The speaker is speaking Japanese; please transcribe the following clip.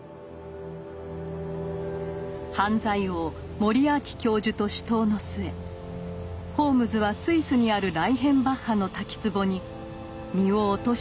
犯罪王モリアーティ教授と死闘の末ホームズはスイスにあるライヘンバッハの滝つぼに身を落としたのです。